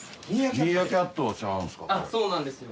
そうなんですよ。